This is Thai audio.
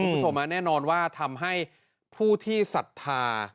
คุณผู้ชมแน่นอนว่าทำให้ผู้ที่ศรัทธา